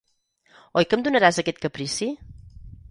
Oi que em donaràs aquest caprici?